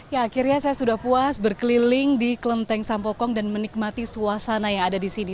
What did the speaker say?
ya akhirnya saya sudah puas berkeliling di kelenteng sampokong dan menikmati suasana yang ada di sini